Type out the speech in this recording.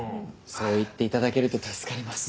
そう言って頂けると助かります。